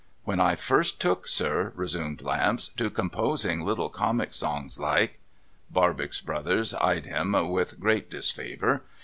' When I first took, sir,' resumed Lamps, ' to composing little Comic Songs like ' Barbox Brothers eyed him with great disfavour.